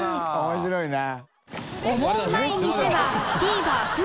面白いな。